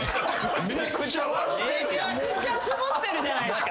めちゃくちゃつぼってるじゃないすか！